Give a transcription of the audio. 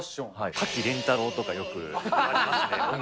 滝廉太郎とかよく言われます